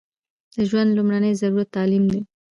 د ژوند لمړنۍ ضرورت تعلیم دی